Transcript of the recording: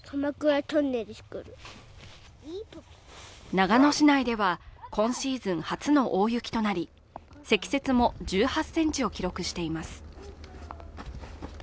長野市内では今シーズン初の大雪となり積雪も１８ｃｍを記録しています。